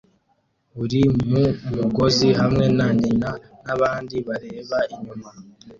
uri mu mugozi hamwe na nyina nabandi bareba inyuma